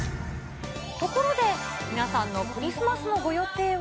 ところで、皆さんのクリスマスのご予定は？